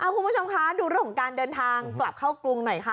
คุณผู้ชมคะดูเรื่องของการเดินทางกลับเข้ากรุงหน่อยค่ะ